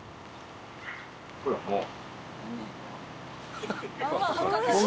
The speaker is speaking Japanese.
ほらもう。